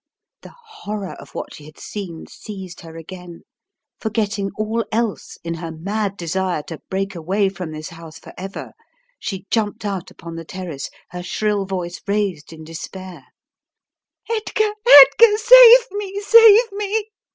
The horror of what she had seen seized her again. Forgetting all else in her mad desire to break away from this house forever, she jumped out upon the terrace, her shrill voice raised in despair: w Edgar, Edgar, save me! save me!"